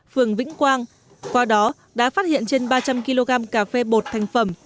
phường vĩnh quang qua đó đã phát hiện trên ba trăm linh kg cà phê bột thành phẩm